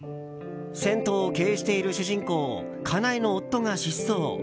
銭湯を経営している主人公かなえの夫が失踪。